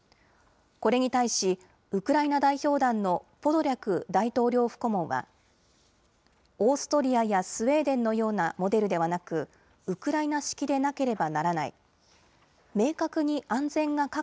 これに対し、ウクライナ代表団のポドリャク大統領府顧問はオーストリアやスウェーデンのようなモデルではなくウクライナ式でなければならない。